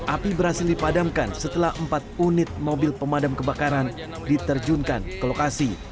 api berhasil dipadamkan setelah empat unit mobil pemadam kebakaran diterjunkan ke lokasi